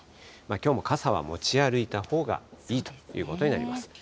きょうも傘は持ち歩いたほうがいいということになります。